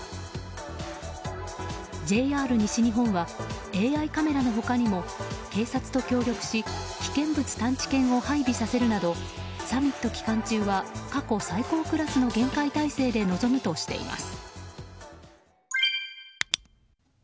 ＪＲ西日本はＡＩカメラの他にも警察と協力し危険物探知犬を配備させるなどサミット期間中は過去最高クラスの厳戒態勢で臨むとしています。